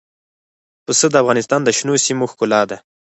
پسه د افغانستان د شنو سیمو ښکلا ده.